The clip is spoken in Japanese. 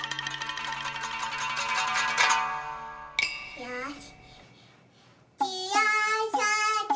よし。